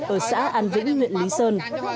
ở xã an vĩnh nguyện lý sơn